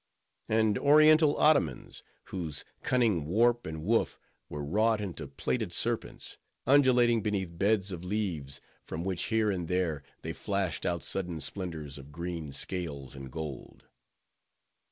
And oriental ottomans, whose cunning warp and woof were wrought into plaited serpents, undulating beneath beds of leaves, from which, here and there, they flashed out sudden splendors of green scales and gold.